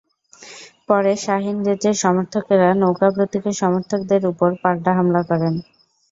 পরে শাহীন রেজার সমর্থকেরা নৌকা প্রতীকের সমর্থকদের ওপর পাল্টা হামলা করেন।